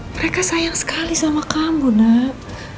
mereka sayang sekali sama kamu nak